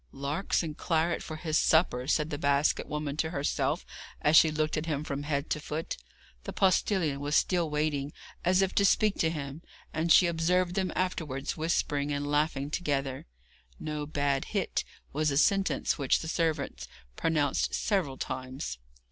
'Larks and claret for his supper,' said the basket woman to herself as she looked at him from head to foot. The postillion was still waiting, as if to speak to him, and she observed them afterwards whispering and laughing together. 'No bad hit,' was a sentence which the servant pronounced several times.